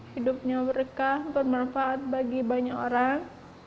hidupnya berkah bermanfaat bagi banyak orang